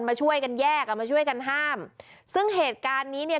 มาช่วยกันแยกอ่ะมาช่วยกันห้ามซึ่งเหตุการณ์นี้เนี่ย